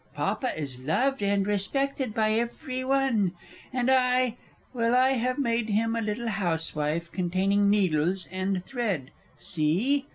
Papa is loved and respected by every one. And I well, I have made him a little housewife, containing needles and thread ... See!